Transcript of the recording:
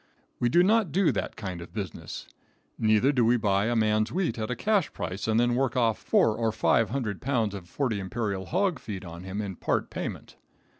We do not do that kind of business. Neither do we buy a man's wheat at a cash price and then work off four or five hundred pounds of XXXX Imperial hog feed on him in part payment.